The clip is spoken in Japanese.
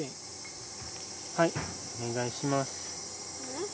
はいお願いします。